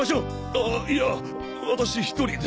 あいや私１人で。